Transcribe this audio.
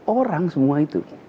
orang semua itu